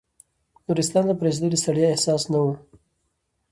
نورستان ته په رسېدو د ستړیا احساس نه و.